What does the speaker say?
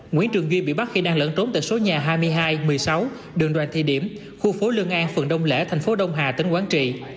nguyễn trường ghi bị bắt khi đang lẫn trốn tại số nhà hai mươi hai một mươi sáu đường đoàn thị điểm khu phố lương an phường đông lễ thành phố đông hà tỉnh quảng trị